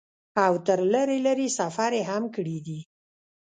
او تر لرې لرې سفرې هم کړي دي ۔